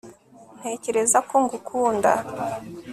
ntekereza ko ngukunda